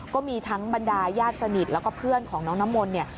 ก็มีทั้งบรรดาญาติสนิทแล้วก็เพื่อนของน้องน้ำมนต์เนี่ย